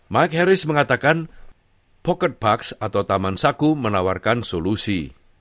mike harris mengatakan pocket parks atau taman saku menawarkan solusi